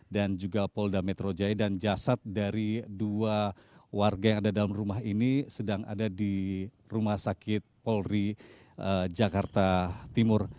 dan juga polda metro jaya dan jasad dari dua warga yang ada dalam rumah ini sedang ada di rumah sakit polri jakarta timur